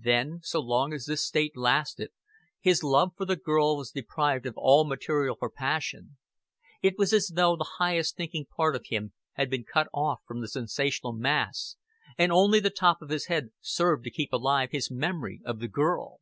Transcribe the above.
Then, so long as this state lasted, his love for the girl was deprived of all material for passion; it was as though the highest thinking part of him had been cut off from the sensational mass, and only the top of his head served to keep alive his memory of the girl.